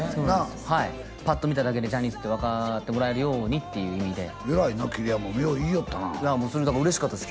はいパッと見ただけでジャニーズって分かってもらえるようにっていう意味で偉いな桐山もよう言いおったなそれだから嬉しかったです